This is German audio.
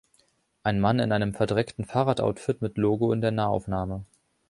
Ein Mann in einem verdreckten Fahrradoutfit mit Logo in Nahaufnahme